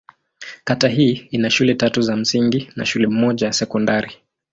Kata hii ina shule tatu za msingi na shule moja ya sekondari.